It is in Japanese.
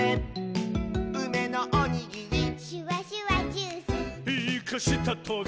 「うめのおにぎり」「シュワシュワジュース」「イカしたトゲ」